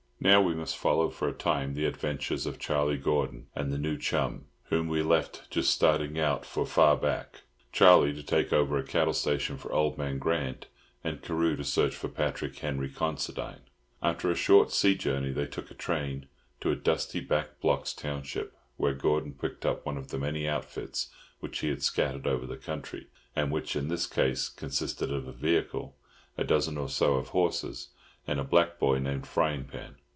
Now we must follow for a time the adventures of Charlie Gordon and the new chum, whom we left just starting out for 'far back', Charlie to take over a cattle station for Old Man Grant, and Carew to search for Patrick Henry Considine. After a short sea journey they took train to a dusty back blocks township, where Gordon picked up one of the many outfits which he had scattered over the country, and which in this case consisted of a vehicle, a dozen or so of horses, and a black boy named Frying Pan.